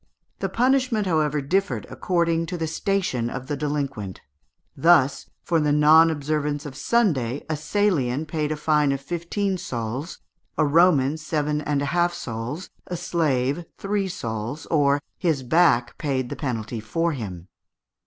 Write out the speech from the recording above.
The punishment, however, differed according to the station of the delinquent. Thus, for the non observance of Sunday, a Salian paid a fine of fifteen sols, a Roman seven and a half sols, a slave three sols, or "his back paid the penalty for him."